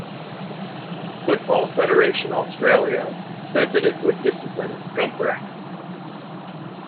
Football Federation Australia said that it would discipline Gumprecht.